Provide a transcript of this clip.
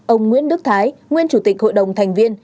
ông nguyễn đức thái nguyên chủ tịch hội đồng thành viên